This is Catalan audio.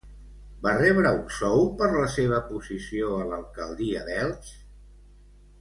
Va rebre un sou per la seva posició a l'alcaldia d'Elx?